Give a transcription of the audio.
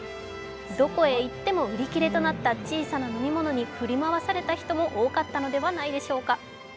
どこへ行っても売り切れとなった小さな飲み物に振り回された人も多かったのではないでしょうか。